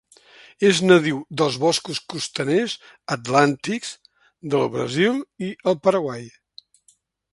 És nadiu dels boscos costaners atlàntics del Brasil i el Paraguai.